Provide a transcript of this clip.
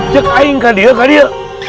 cekain kan dia kan dia